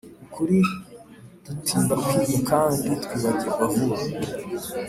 ukuri dutinda kwiga kandi twibagirwa vuba